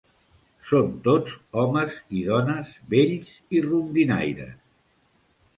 Són tots homes i dones vells i rondinaires.